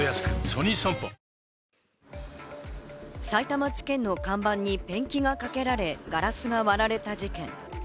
さいたま地検の看板にペンキがかけられガラスが割られた事件。